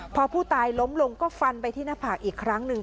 พอผู้ตายล้มลงก็ฟันไปที่หน้าผากอีกครั้งหนึ่ง